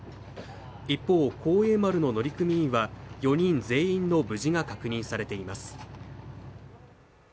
一方「幸栄丸」の乗組員は４人全員の無事が確認されています。